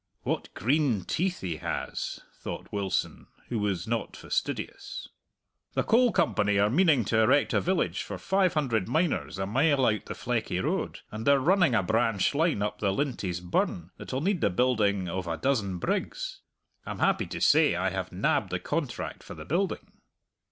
"What green teeth he has!" thought Wilson, who was not fastidious. "The Coal Company are meaning to erect a village for five hundred miners a mile out the Fleckie Road, and they're running a branch line up the Lintie's Burn that'll need the building of a dozen brigs. I'm happy to say I have nabbed the contract for the building."